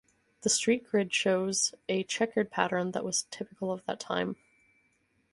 The street grid shows a chequered pattern that was typical of that time.